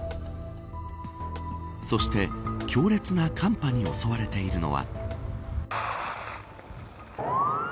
そして強烈な寒波に襲われているのは。